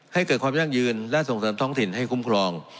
ให้เกิดความยั่งยืนและส่งเสริมท้องถิ่นให้คุ้มครอง